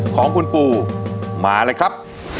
เป็นยังไงบ้างครับ